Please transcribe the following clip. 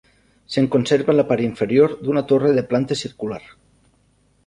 Se'n conserva la part inferior d'una torre de planta circular.